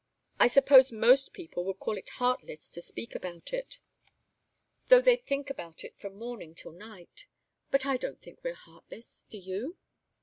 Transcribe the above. I suppose most people would call it heartless to speak about it, though they'd think about it from morning till night. But I don't think we're heartless, do you?"